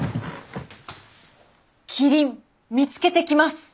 キリン見つけてきます！